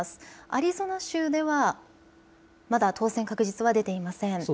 アリゾナ州ではまだ当選確実は出ていません。